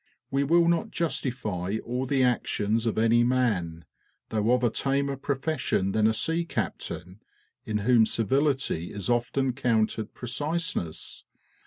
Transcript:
We will not justify all the actions of any man, though of a tamer profession than a sea captain, in whom civility is often counted preciseness.